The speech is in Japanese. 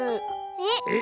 えっ⁉